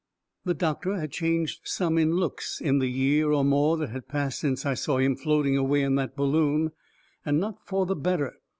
The doctor had changed some in looks in the year or more that had passed since I saw him floating away in that balloon. And not fur the better.